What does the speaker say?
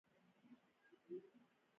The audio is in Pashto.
هغه سم دی، ما ته زما د کار کالي راکړه.